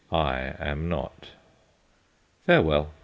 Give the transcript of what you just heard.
I am not. Farewell.